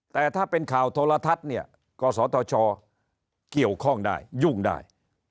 แต่ถ้าเป็นข่าวโทรทัศน์เนี่ยกศธชเกี่ยวข้องได้ยุ่งได้